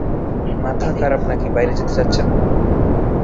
মাথা খারাপ নাকি বাইরে যেতে চাচ্ছেন?